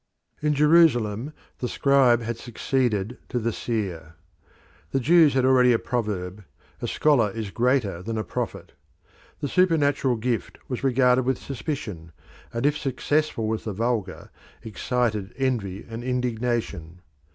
In Jerusalem the scribe had succeeded to the seer. The Jews had already a proverb, "A scholar is greater than a prophet." The supernatural gift was regarded with suspicion, and if successful with the vulgar excited envy and indignation.